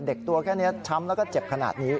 ตัวแค่นี้ช้ำแล้วก็เจ็บขนาดนี้